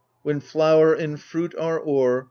when flower and fruit are o'er.